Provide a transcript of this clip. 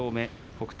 北勝